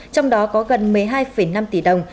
trong đó có gần một mươi hai năm tỷ đồng